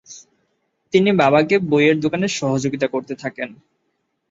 তিনি বাবাকে বইয়ের দোকানে সহযোগিতা করতে থাকেন।